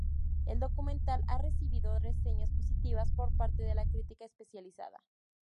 El documental ha recibido reseñas positivas por parte de la crítica especializada.